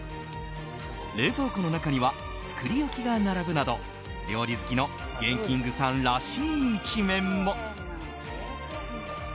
冷蔵庫の中には作り置きが並ぶなど料理好きのＧＥＮＫＩＮＧさんらしい一面も。